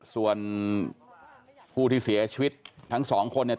ส่วนผู้ที่เสียชีวิตทั้งสองคนเนี่ย